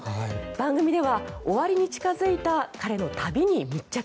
番組では終わりに近付いた彼の旅に密着。